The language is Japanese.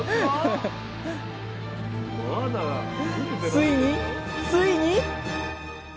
ついについに！